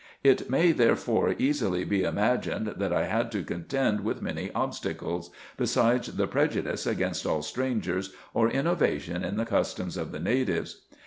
It may, therefore, easily be imagined that I had to contend with many obstacles, besides the prejudice against all strangers, or innovations in the customs of the natives.